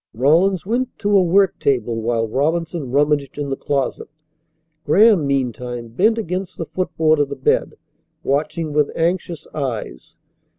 Rawlins went to a work table while Robinson rummaged in the closet. Graham, meantime, bent against the footboard of the bed, watching with anxious eyes.